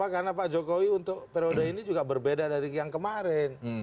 karena pak jokowi untuk periode ini juga berbeda dari yang kemarin